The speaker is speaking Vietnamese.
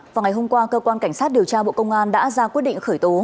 vào ngày hôm qua cơ quan cảnh sát điều tra bộ công an đã ra quyết định khởi tố